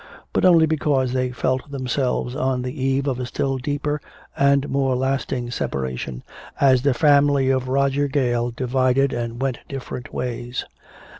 But only because they felt themselves on the eve of a still deeper and more lasting separation, as the family of Roger Gale divided and went different ways.